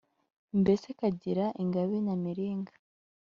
mbese kagire ingabe nyamiringa,